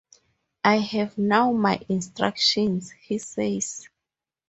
"I have now my instructions," he says.